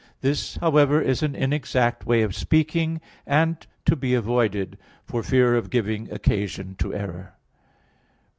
This, however, is an inexact way of speaking, and to be avoided, for fear of giving occasion to error.